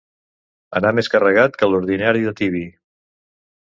Anar més carregat que l'ordinari de Tibi.